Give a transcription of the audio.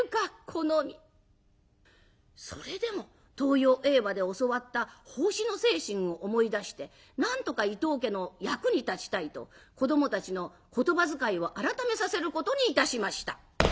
それでも東洋英和で教わった奉仕の精神を思い出してなんとか伊藤家の役に立ちたいと子どもたちの言葉遣いを改めさせることにいたしました。